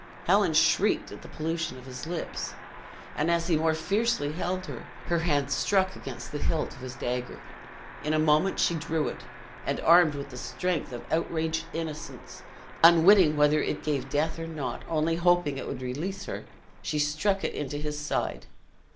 Helen shrieked at the pollution of his lips; and as he more fiercely held her, her hand struck against the hilt of his dagger. In a moment she drew it, and armed with the strength of outraged innocence, unwitting whether it gave death or not, only hoping it would release her, she struck it into his side.